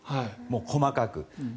細かく。